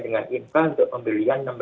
dengan inka untuk pembelian enam belas